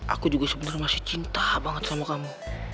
aku juga sebenarnya masih cinta banget sama kamu